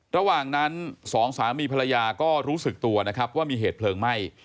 ระหว่างนั้นสองสามีภรรยาก็รู้สึกตัวนะครับว่ามีเหตุเพลิงไหม้